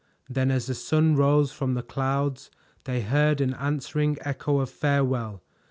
Then as the sun rose from the clouds they heard an answering echo of farewell.